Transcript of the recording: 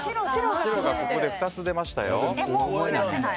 白が、ここで２つ出ましたよ。